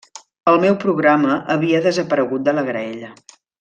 El meu programa havia desaparegut de la graella.